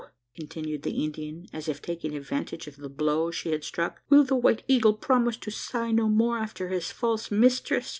continued the Indian, as if taking advantage of the blow she had struck, "will the White Eagle promise to sigh no more after his false mistress?